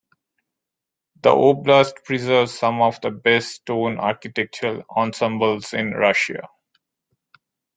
The oblast preserves some of the best stone architectural ensembles in Russia.